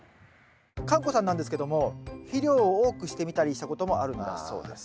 かんこさんなんですけども肥料を多くしてみたりしたこともあるんだそうです。